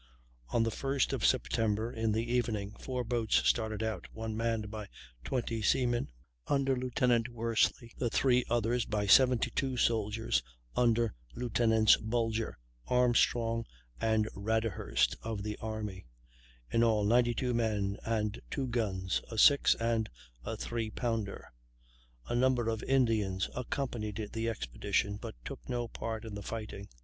On the first of September, in the evening, four boats started out, one manned by 20 seamen, under Lieutenant Worsely, the three others by 72 soldiers under Lieutenants Bulger, Armstrong, and Raderhurst of the army in all 92 men and two guns, a 6 and a 3 pounder. A number of Indians accompanied the expedition but took no part in the fighting.